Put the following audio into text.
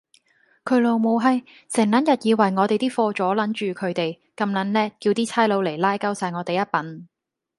佢老母閪，成撚日以為我哋啲貨阻撚住佢地，咁撚叻，叫啲差佬嚟拉鳩哂我哋呀笨